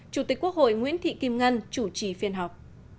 chủ tịch quốc hội nguyễn thị kim ngân chủ trì phiên họp